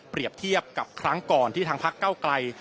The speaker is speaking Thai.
เปรียบเทียบกับครั้งก่อนที่ทางภักดิ์เก้าไกล